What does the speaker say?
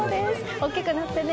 大きくなってね！